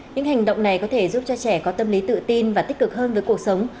những hành động này có thể giúp cho trẻ có tâm lý tự tin và tích cực hơn với cuộc sống